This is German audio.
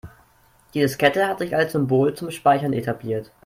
Die Diskette hat sich als Symbol zum Speichern etabliert.